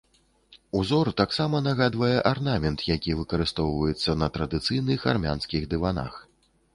Узор таксама нагадвае арнамент, які выкарыстоўваецца на традыцыйных армянскіх дыванах.